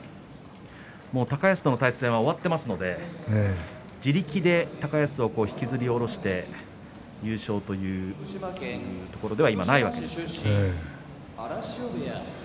もう高安との対戦は終わっていますので自力で高安を引きずり下ろして優勝というところでは今ないわけです。